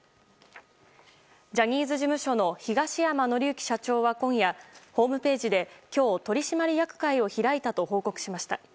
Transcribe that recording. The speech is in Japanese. ジャニーズ事務所の東山紀之社長は今夜ホームページで今日、取締役会を開いたと報告しました。